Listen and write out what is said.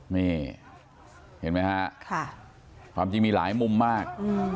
นี่เห็นไหมฮะความจริงมีหลายมุมมาก